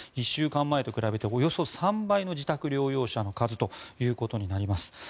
１週間前と比べて、およそ３倍の自宅療養者の数ということになります。